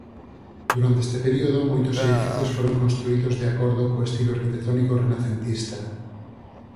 Durante este período moitos edificios foron construídos de acordo co estilo arquitectónico renacentista.